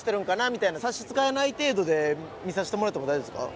みたいな差し支えない程度で見させてもらっても大丈夫ですか？